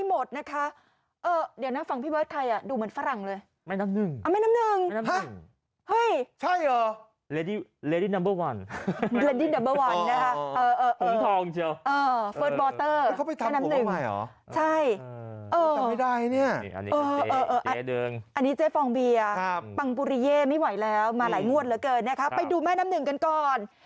ไม่หมดนะคะเดี๋ยวนะฟังพี่เวิร์ทใคร